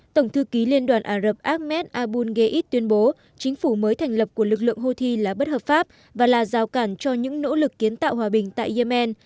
tổng thư ký liên đoàn ả rập ahmed aboul geid tuyên bố chính phủ mới thành lập của lực lượng houthi là bất hợp pháp và là rào cản cho những nỗ lực kiến tạo hòa bình tại yemen